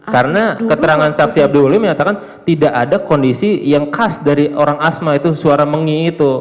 karena keterangan saksi abdi waluyu menyatakan tidak ada kondisi yang khas dari orang asma itu suara mengi itu